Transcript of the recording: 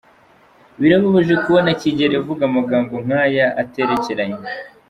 » birababaje kubona Kigeli avuga amagambo nkaya aterekeranye !